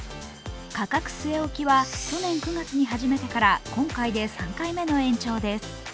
価格据え置きは去年９月に始めてから今回で３回目の延長です。